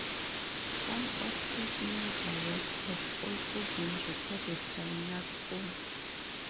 Some of his major works have also been recorded by Naxos.